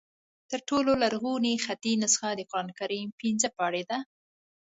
تر ټولو لرغونې خطي نسخه د قرآن کریم پنځه پارې دي.